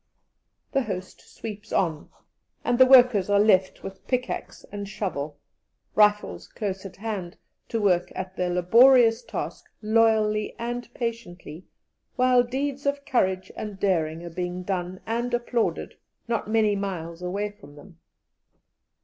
The host sweeps on, and the workers are left with pickaxe and shovel, rifles close at hand, to work at their laborious task loyally and patiently, while deeds of courage and daring are being done and applauded not many miles away from them.